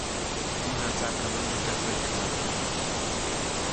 Mäjatsaʼkäʼmäʼuŋ nä tyäjkäyu teʼ tsat.